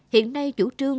hiện nay chủ trương